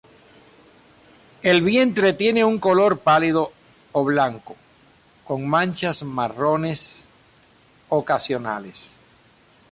El vientre tiene un color pálido o blanco, con manchas marrones ocasionales.